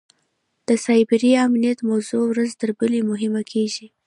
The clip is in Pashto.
د سایبري امنیت موضوع ورځ تر بلې مهمه کېږي.